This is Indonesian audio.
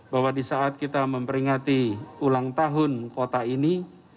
bahwa di saat kita memperingati ulang tahun kota ini